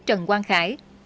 trần quang khải